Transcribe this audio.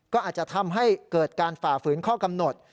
ก็อาจจะทำให้เกิดการฝ่าฝืนข้อกำหนด